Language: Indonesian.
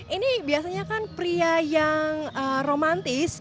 ini biasanya kan pria yang romantis